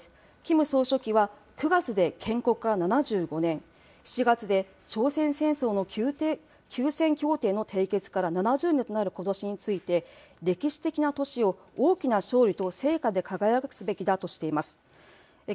キム総書記は、９月で建国から７５年、７月で朝鮮戦争休戦協定の締結から７０年となることしについて、歴史的な年を大きな勝利と成果でとしています。